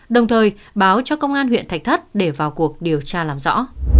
đồng thời báo cho công an huyện thạch thất để vào cuộc điều tra làm rõ